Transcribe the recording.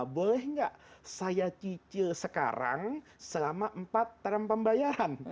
boleh nggak saya cicil sekarang selama empat term pembayaran